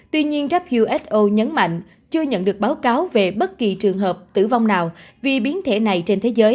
tuy nhiên who nhấn mạnh chưa nhận được báo cáo về bất kỳ trường hợp tử vong nào vì biến thể này trên thế giới